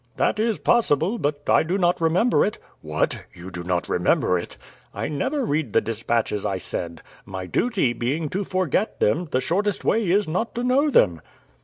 "That is possible, but I do not remember it." "What! you do not remember it?" "I never read the dispatches I send. My duty being to forget them, the shortest way is not to know them."